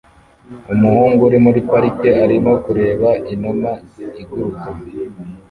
Umuhungu uri muri parike arimo kureba inuma iguruka